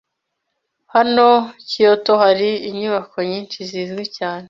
Hano i Kyoto hari inyubako nyinshi zizwi cyane.